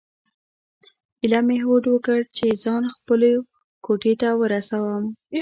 ایله مې هوډ وکړ چې ځان خپلو کوټې ته ورسوم.